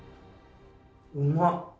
うまっ！